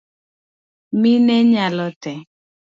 Mine nyalo tee